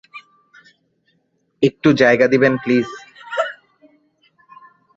একটু জায়গা দেবেন, প্লিজ?